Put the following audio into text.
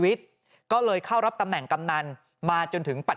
ปี๖๓ก็ไปปี๖๒ก็ไปไม่เคยขาดไม่เคยเว้นทุกปี